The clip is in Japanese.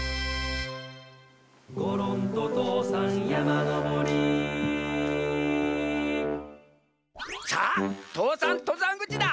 「ごろんととうさんやまのぼり」さあ父山とざんぐちだ。